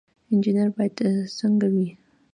انجنیر باید څنګه وي؟